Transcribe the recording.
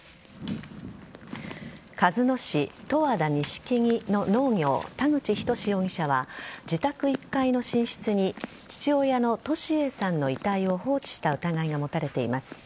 鹿角市十和田錦木の農業田口壽容疑者は自宅１階の寝室に父親の年榮さんの遺体を放置した疑いが持たれています。